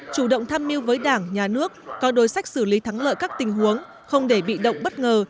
chủ động tham mưu với đảng nhà nước có đối sách xử lý thắng lợi các tình huống không để bị động bất ngờ